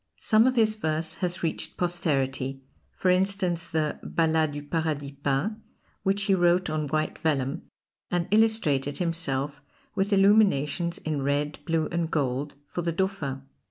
Some of his verse has reached posterity, for instance the "Ballads du Paradis Peint," which he wrote on white vellum, and illustrated himself with illuminations in red, blue and gold, for the Dauphin.